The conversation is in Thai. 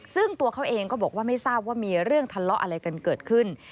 ซึ่งตัวเขาเองก็บอกว่าไม่ทราบว่ามีเรื่องทะเลาะอะไรกันเกิดขึ้น